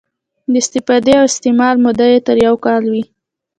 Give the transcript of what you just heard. د استفادې او استعمال موده یې تر یو کال وي.